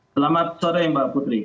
selamat sore mbak putri